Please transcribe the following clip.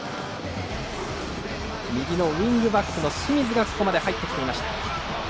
右のウィングバックの清水がここまで入ってきていました。